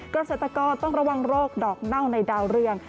เกษตรกรต้องระวังโรคดอกเน่าในดาวเรือง